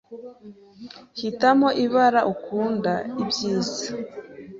Hitamo ibara ukunda ibyiza.